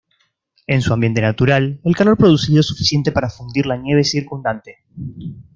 En su ambiente natural el calor producido es suficiente para fundir la nieve circundante.